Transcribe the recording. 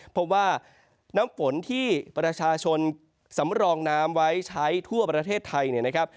เพราะว่าน้ำฝนที่ประชาชนสำรองน้ำไว้ใช้ทั่วประเทศไทยเนี่ยนะครับ